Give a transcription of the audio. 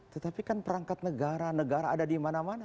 tetapi kan perangkat negara negara ada di mana mana